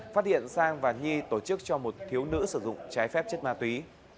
phát hiện sang và nhi tổ chức cho một thiếu nữ sử dụng trái phép chất ma túy